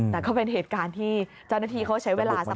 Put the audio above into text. แต่ก็เป็นเหตุการณ์ที่เจ้าหน้าที่เขาใช้เวลาสัก